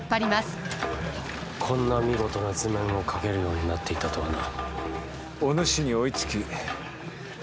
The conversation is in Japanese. こんな見事な図面を描けるようになっていたとはな。